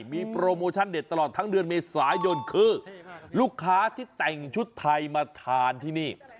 มีโปรโมชั่นเด็ดตลอดทั้งเดือนเมษายนคือลูกค้าที่แต่งชุดไทยมาทานที่นี่